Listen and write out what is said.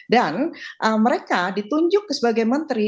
dan mereka ditunjuk sebagai menteri